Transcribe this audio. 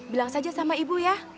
bilang saja sama ibu ya